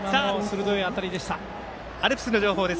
アルプスの情報です。